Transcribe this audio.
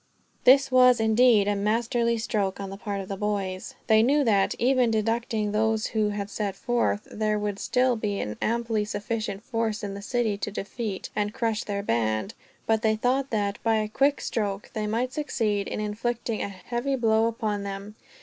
This was, indeed, a masterly stroke on the part of the boys. They knew that, even deducting those who had set forth, there would still be an amply sufficient force in the city to defeat and crush their band; but they thought that, by a quick stroke, they might succeed in inflicting a heavy blow upon them.